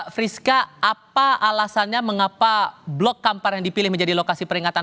friska apa alasannya mengapa blok kampar yang dipilih menjadi lokasi peringatan